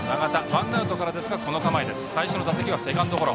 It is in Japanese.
ワンアウトからですがバントの構え。